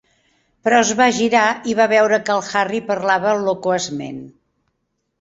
Però es va girar i va veure que el Harry parlava loquaçment.